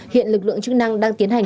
hiện lực lượng chức năng đang tiến hành